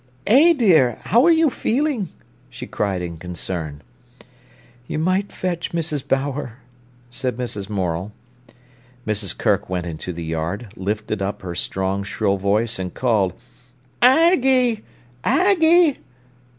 "Eh, dear, how are you feeling?" she cried in concern. "You might fetch Mrs. Bower," said Mrs. Morel. Mrs. Kirk went into the yard, lifted up her strong, shrill voice, and called: "Ag gie—Ag gie!"